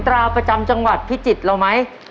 ตราประจำจังหวัดพิจิตรเราไหม